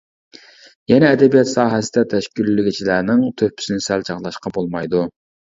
يەنە ئەدەبىيات ساھەسىدە تەشكىللىگۈچىلەرنىڭ تۆھپىسىنى سەل چاغلاشقا بولمايدۇ.